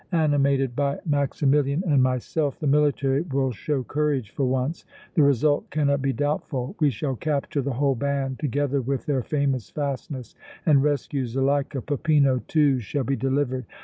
Animated by Maximilian and myself, the military will show courage for once. The result cannot be doubtful. We shall capture the whole band, together with their famous fastness, and rescue Zuleika. Peppino, too, shall be delivered.